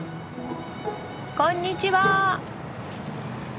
こんにちは。